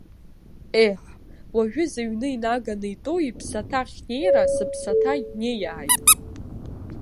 Еҳ, уажәы зыҩны инаганы итәоу иԥсаҭа ахьнеира сыԥсаҭа неиааит.